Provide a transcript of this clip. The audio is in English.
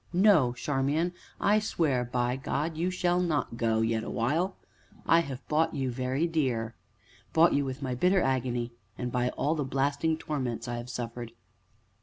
No, Charmian, I swear by God you shall not go yet awhile. I have bought you very dear bought you with my bitter agony, and by all the blasting torments I have suffered."